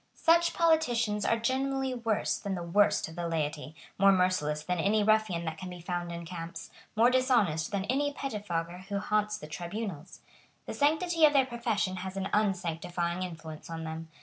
Such politicians are generally worse than the worst of the laity, more merciless than any ruffian that can be found in camps, more dishonest than any pettifogger who haunts the tribunals. The sanctity of their profession has an unsanctifying influence on them.